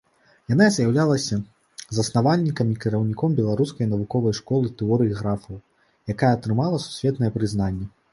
Яна з'яўлялася заснавальнікам і кіраўніком беларускай навуковай школы тэорыі графаў, якая атрымала сусветнае прызнанне.